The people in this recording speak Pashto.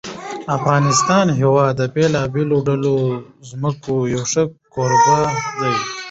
د افغانستان هېواد د بېلابېلو ډولو ځمکو یو ښه کوربه دی.